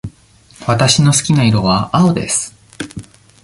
わたしの好きな色は青です。